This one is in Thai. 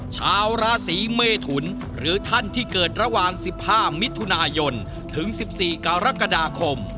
ชาวราศีเมทุนหรือท่านที่เกิดระหว่าง๑๕มิถุนายนถึง๑๔กรกฎาคม